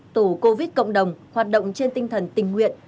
tổ covid cộng đồng hoạt động trên tinh thần tình nguyện